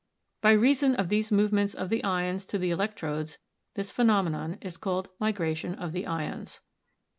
By reason of these movements of the ions to the electrodes this phe nomenon is called migration of the ions.